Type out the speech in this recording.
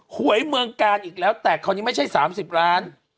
หวยเมืองกาลอีกแล้วแต่คราวนี้ไม่ใช่๓๐ล้าน